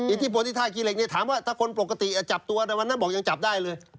อิทธิพลที่ท่าขี้เหล็กเนี่ยถามว่าถ้าคนปกติจับตัวในวันนั้นบอกยังจับได้เลย